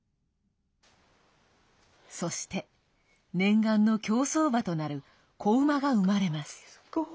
そして念願の競走馬となる子馬が生まれます。